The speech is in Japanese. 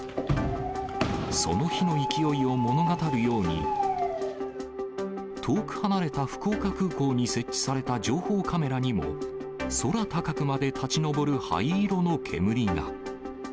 その火の勢いを物語るように、遠く離れた福岡空港に設置された情報カメラにも、空高くまで立ち上る灰色の煙が。